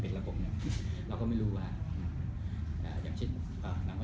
เราก็ไม่รู้แล้วนะ